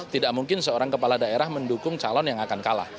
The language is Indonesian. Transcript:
tidak mungkin seorang kepala daerah mendukung calon yang akan kalah